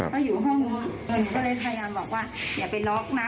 ก็อยู่ห้องเงินก็เลยพยายามบอกว่าอย่าไปล็อกนะ